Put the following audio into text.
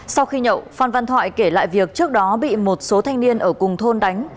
sau khi nhậu phan văn thoại kể lại việc trước đó bị một số thanh niên ở cùng thôn đánh